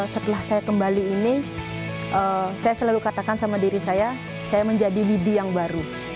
setelah saya kembali ini saya selalu katakan sama diri saya saya menjadi widhi yang baru